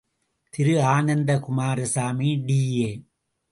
Thiru, Ananda Coomaraswamy TA.